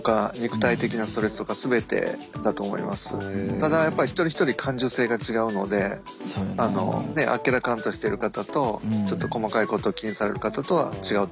ただやっぱリ一人一人感受性が違うのであのあっけらかんとしてる方とちょっと細かいことを気にされる方とは違うと思います。